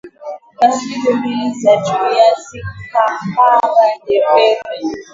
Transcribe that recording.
tafsiri mbili za Julius Kambarage Nyerere